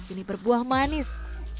ini berbuah manis